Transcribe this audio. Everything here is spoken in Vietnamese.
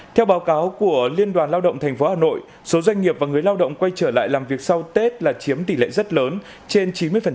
theo báo cáo của liên đoàn lao động tp hà nội số doanh nghiệp và người lao động quay trở lại làm việc sau tết là chiếm tỷ lệ rất lớn trên chín mươi